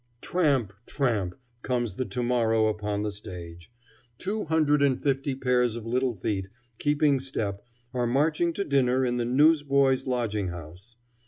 Tramp! tramp! comes the to morrow upon the stage. Two hundred and fifty pairs of little feet, keeping step, are marching to dinner in the Newsboys' Lodging house.